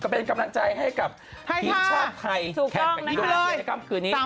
เป็นกำลังใจให้กับทีมชาติไทยแขกแบบนี้นะคะ